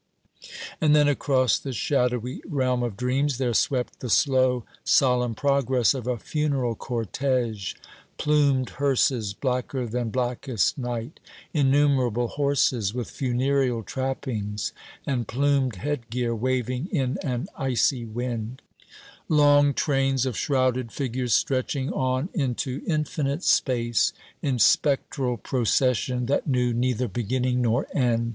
And then across the shadowy realm of dreams there swept the slow solemn progress of a funeral cortege plumed hearses, blacker than blackest night; innumerable horses, with funereal trappings and plumed headgear waving in an icy wind; long trains of shrouded figures stretching on into infinite space, in spectral procession that knew neither beginning nor end.